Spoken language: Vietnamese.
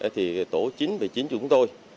tổ chín trăm một mươi chín chúng tôi